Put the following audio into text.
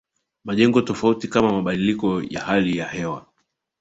Majengo Tofauti Kama Mabadiliko ya Hali ya Hewa